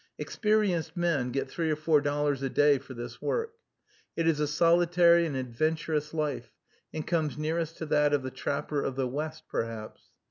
Experienced men get three or four dollars a day for this work. It is a solitary and adventurous life, and comes nearest to that of the trapper of the West, perhaps.